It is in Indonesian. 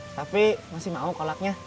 tapi masih mau kolaknya